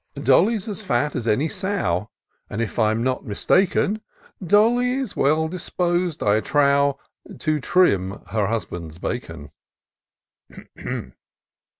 ■ Dolly's as fat as any sow. And, if I'm not mistaken, Dolly is well dispos'd, I trow. To trim her husband's bacon."